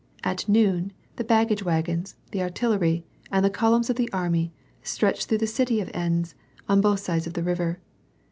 At noon, the baggage wagons, the artillery, and the columns of the army, stretched through the city of Enns, on both sides of the river.